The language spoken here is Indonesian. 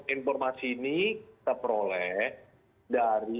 informasi ini diperoleh dari